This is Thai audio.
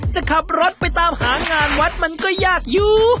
จะขับรถไปตามหางานวัดมันก็ยากอยู่